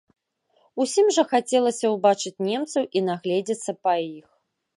Усім жа хацелася ўбачыць немцаў і нагледзецца па іх.